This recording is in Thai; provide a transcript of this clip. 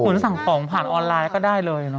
เหมือนสั่งปล่องผ่านออนไลน์ก็ได้เลยเนอะ